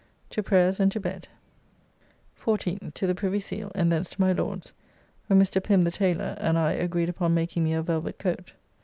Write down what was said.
To prayers, and to bed. 14th. To the Privy Seal, and thence to my Lord's, where Mr. Pim, the tailor, and I agreed upon making me a velvet coat.